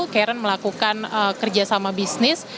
karen melakukan kerjasama bisnis